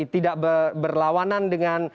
tidak berlawanan dengan